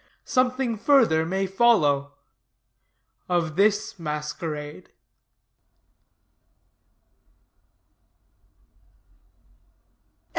Something further may follow of this Masquerade.